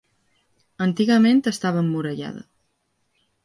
Antigament estava emmurallada.